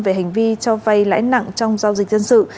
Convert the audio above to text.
về hành vi cho vay lãi nặng trong giao dịch dân sự